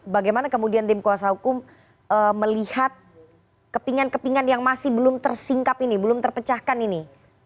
bagaimana kemudian tim kuasa hukum melihat kepingan kepingan yang masih belum tersingkap ini belum terpecahkan ini